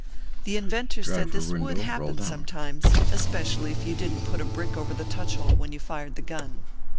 The inventor said this would happen some times, especially if you didn t put a brick over the touch hole when you fired the gun.